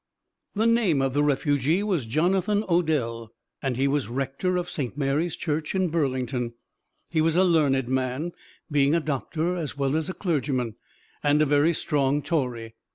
The name of the refugee was Jonathan Odell, and he was rector of St. Mary's Church in Burlington. He was a learned man, being a doctor as well as a clergyman, and a very strong Tory.